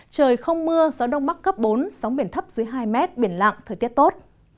trời không mưa gió đông bắc cấp bốn sóng biển thấp dưới hai mét biển lặng thời tiết tốt